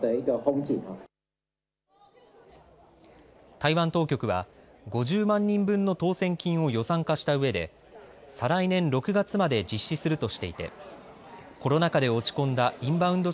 台湾当局は５０万人の当せん金を予算化したうえで再来年６月まで実施するとしていてコロナ禍で落ち込んだインバウンド